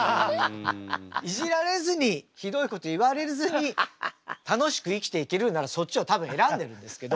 イジられずにひどいこと言われずに楽しく生きていけるならそっちを多分選んでるんですけど。